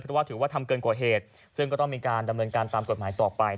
เพราะว่าถือว่าทำเกินกว่าเหตุซึ่งก็ต้องมีการดำเนินการตามกฎหมายต่อไป